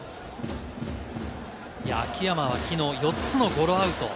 秋山はきのう、４つのゴロアウト。